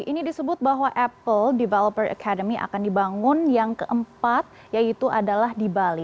ini disebut bahwa apple developer academy akan dibangun yang keempat yaitu adalah di bali